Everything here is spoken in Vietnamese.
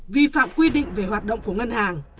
vi phạm quy định về hoạt động của ngân hàng